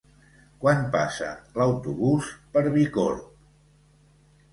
Quan passa l'autobús per Bicorb?